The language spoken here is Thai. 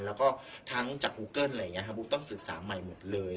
แล้วก็ทั้งจากบูเกิ้ลอะไรอย่างนี้ครับบูต้องศึกษาใหม่หมดเลย